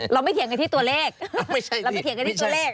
เราไม่เถียงกันที่ตัวเลข